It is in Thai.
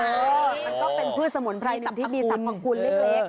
มันก็เป็นพืชสมุนไพรสัตว์ที่มีสรรพคุณเล็ก